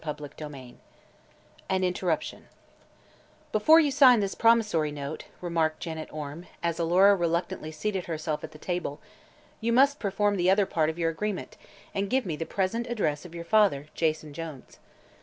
CHAPTER XXIV AN INTERRUPTION "Before you sign this promissory note," remarked Janet Orme, as Alora reluctantly seated herself at the table, "you must perform the other part of your agreement and give me the present address of your father, Jason Jones."